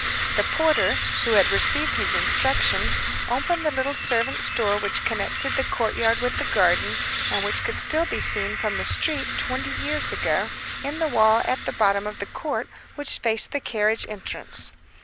The porter, who had received his instructions, opened the little servant's door which connected the courtyard with the garden, and which could still be seen from the street twenty years ago, in the wall at the bottom of the court, which faced the carriage entrance.